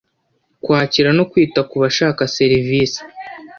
kwakira no kwita ku bashaka serivisi